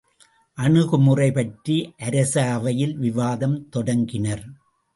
அணுகுமுறை பற்றி அரச அவையில் விவாதம் தொடங்கினர்.